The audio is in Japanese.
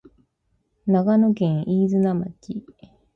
長野県飯綱町